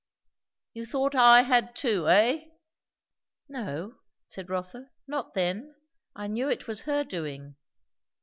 "You thought I had too, eh?" "No," said Rotha; "not then. I knew it was her doing."